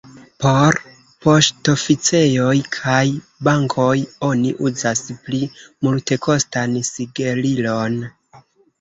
Por poŝtoficejoj kaj bankoj oni uzas pli multekostan sigelilon.